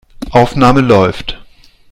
Aufnahme läuft.